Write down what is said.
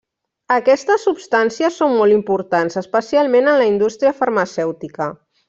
Aquestes substàncies són molt importants especialment en la indústria farmacèutica.